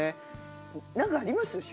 なんかあります？